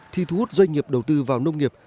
thì thu hút doanh nghiệp đầu tư vào nông nghiệp